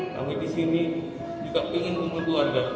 kami di sini juga pengen rumah keluarga